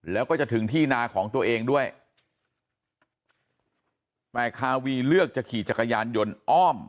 แล้วก็จะถึงที่นาของตัวเองด้วยแต่คาวีเลือกจะขี่จักรยานยนต์อ้อม